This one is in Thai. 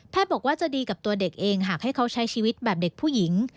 บอกว่าจะดีกับตัวเด็กเองหากให้เขาใช้ชีวิตแบบเด็กผู้หญิง